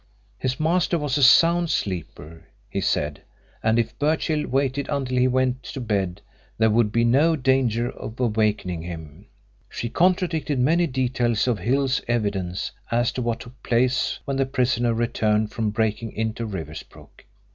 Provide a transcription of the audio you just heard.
His master was a sound sleeper, he said, and if Birchill waited until he went to bed there would be no danger of awakening him. She contradicted many details of Hill's evidence as to what took place when the prisoner returned from breaking into Riversbrook.